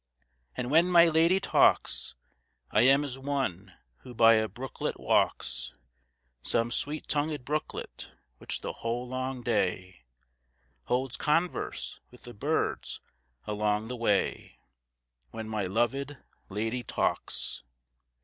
And when my lady talks, I am as one who by a brooklet walks, Some sweet tongued brooklet, which the whole long day, Holds converse with the birds along the way. When my loved lady talks.